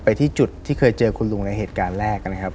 ที่จุดที่เคยเจอคุณลุงในเหตุการณ์แรกนะครับ